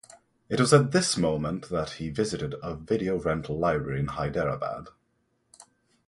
It was at this moment that he visited a video rental library in Hyderabad.